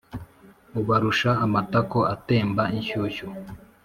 ubarusha amatako atemba inshyushyu